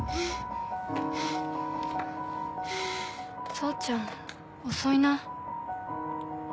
草ちゃん遅いな。